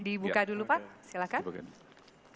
dibuka dulu pak silakan